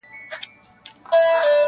له قرنونو له پېړیو لا لهانده سرګردان دی -